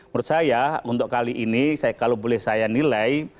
menurut saya untuk kali ini kalau boleh saya nilai